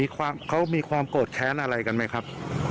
เขามีความโกรธแค้นอะไรกันไหมครับ